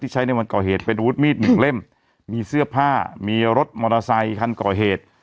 ใช้ในวันก่อเหตุเป็นอาวุธมีดหนึ่งเล่มมีเสื้อผ้ามีรถมอเตอร์ไซคันก่อเหตุ